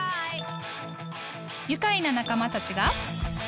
愉快な仲間たちが